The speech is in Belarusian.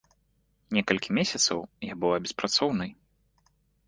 Некалькі месяцаў я была беспрацоўнай.